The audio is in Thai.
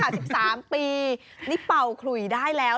นี่ค่ะ๑๓ปีนี่เป่าขลุยได้แล้ว